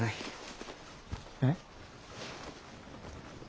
えっ？